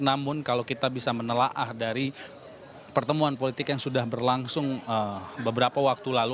namun kalau kita bisa menelaah dari pertemuan politik yang sudah berlangsung beberapa waktu lalu